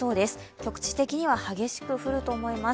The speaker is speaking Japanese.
局地的には激しく降ると思います。